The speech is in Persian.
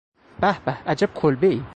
به به عجب کلبهای!